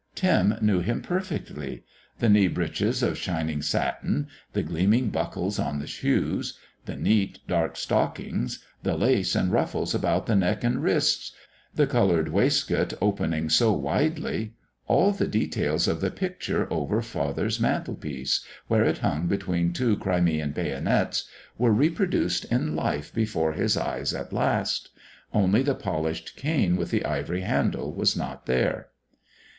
Tim knew him perfectly: the knee breeches of shining satin, the gleaming buckles on the shoes, the neat dark stockings, the lace and ruffles about neck and wrists, the coloured waistcoat opening so widely all the details of the picture over father's mantelpiece, where it hung between two Crimean bayonets, were reproduced in life before his eyes at last. Only the polished cane with the ivory handle was not there.